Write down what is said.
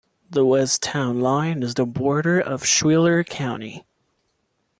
The west town line is the border of Schuyler County.